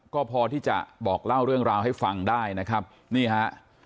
ก็พอที่จะบอกเล่าเรื่องราวให้ฟังได้นะครับนี่ฮะ